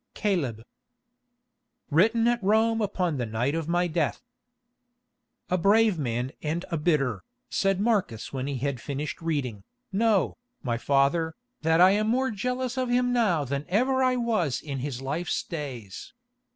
"Caleb. "Written at Rome upon the night of my death." "A brave man and a bitter," said Marcus when he had finished reading. "Know, my father, that I am more jealous of him now than ever I was in his life's days.